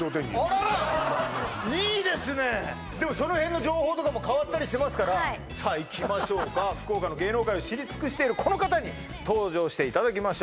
あららいいですねでもその辺の情報とかも変わったりしてますからさあいきましょうか福岡の芸能界を知り尽くしているこの方に登場していただきます